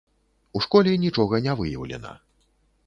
У школе нічога не выяўлена.